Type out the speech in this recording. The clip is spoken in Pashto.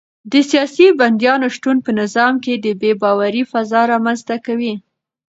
د سیاسي بندیانو شتون په نظام کې د بې باورۍ فضا رامنځته کوي.